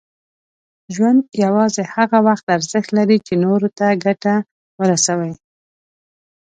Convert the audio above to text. ژوند یوازې هغه وخت ارزښت لري، چې نور ته ګټه ورسوي.